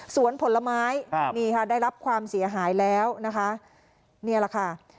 ผลไม้ครับนี่ค่ะได้รับความเสียหายแล้วนะคะนี่แหละค่ะ